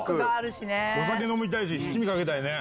お酒飲みたいし、七味かけたいね。